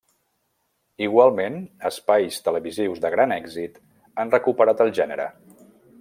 Igualment, espais televisius de gran èxit han recuperat el gènere.